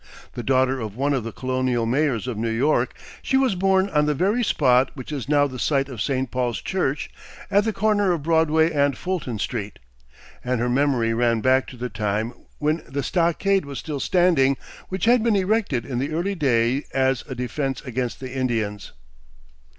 The daughter of one of the colonial mayors of New York, she was born on the very spot which is now the site of St. Paul's Church at the corner of Broadway and Fulton Street, and her memory ran back to the time when the stockade was still standing which had been erected in the early day as a defense against the Indians.